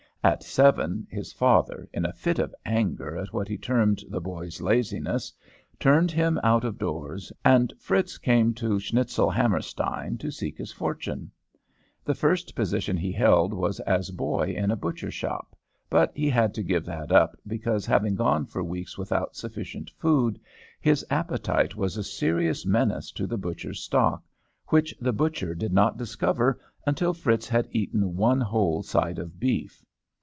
At seven his father, in a fit of anger at what he termed the boy's laziness, turned him out of doors, and Fritz came to Schnitzelhammerstein to seek his fortune. The first position he held was as boy in a butcher shop, but he had to give that up, because, having gone for weeks without sufficient food, his appetite was a serious menace to the butcher's stock, which the butcher did not discover until Fritz had eaten one whole side of beef.